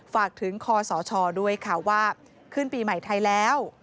ฝากถึงคอสชด้วยค่ะว่าขึ้นปีใหม่ไทยแล้ว